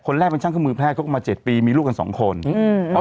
แรกเป็นช่างเครื่องมือแพทย์เขาก็มาเจ็ดปีมีลูกกันสองคนอืม